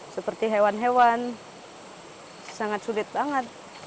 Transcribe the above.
seperti hewan hewan sangat sulit banget